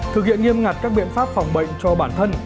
thực hiện nghiêm ngặt các biện pháp phòng bệnh cho bản thân